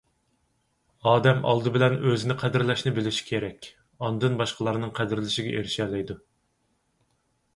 ئادەم ئالدى بىلەن ئۆزىنى قەدىرلەشنى بىلىشى كېرەك، ئاندىن باشقىلارنىڭ قەدىرلىشىگە ئېرىشەلەيدۇ.